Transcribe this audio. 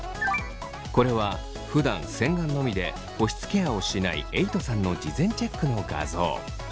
これはふだん洗顔のみで保湿ケアをしないえいとさんの事前チェックの画像。